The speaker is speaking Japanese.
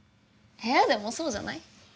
えでもそうじゃない？